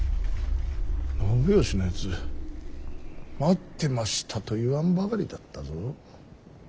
信義のやつ待ってましたと言わんばかりだったぞ。